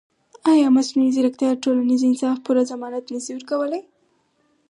ایا مصنوعي ځیرکتیا د ټولنیز انصاف پوره ضمانت نه شي ورکولی؟